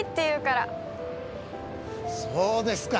そうですか。